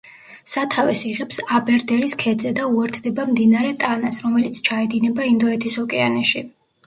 სათავეს იღებს აბერდერის ქედზე და უერთდება მდინარე ტანას, რომელიც ჩაედინება ინდოეთის ოკეანეში.